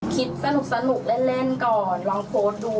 คิดสนุกเล่นก่อนลองโพสต์ดู